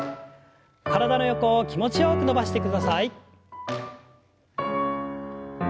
体の横を気持ちよく伸ばしてください。